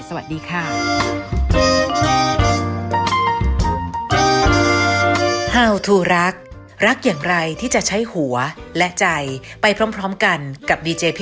สวัสดีค่ะ